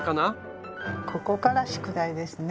ここから宿題ですね。